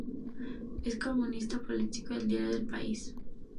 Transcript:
Es columnista político del diario El País.